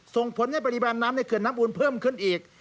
ส่งผลให้ปริมาณน้ำในเขื่อนน้ำอูลเพิ่มขึ้นอีก